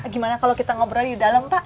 gimana kalau kita ngobrol di dalam pak